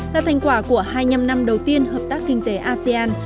là thành quả của hai mươi năm năm đầu tiên hợp tác kinh tế asean